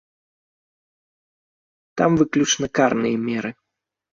Там выключна карныя меры.